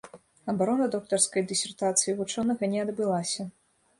Абарона доктарскай дысертацыі вучонага не адбылася.